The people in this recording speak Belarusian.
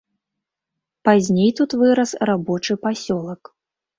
Пазней тут вырас рабочы пасёлак.